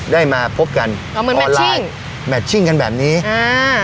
ได้มาพบกันเหมือนแมทชิ้งแมทชิ้งกันแบบนี้อ่า